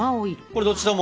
これどっちとも？